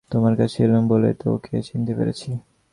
তোমার কাছে এলুম বলেই তো ওকে চিনতে পেরেছি।